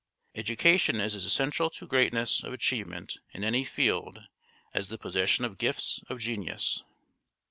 Education is as essential to greatness of achievement in any field as the possession of gifts of genius.